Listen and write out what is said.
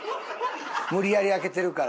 無理やり開けてるから。